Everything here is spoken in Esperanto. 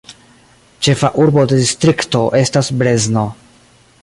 Ĉefa urbo de distrikto estas Brezno.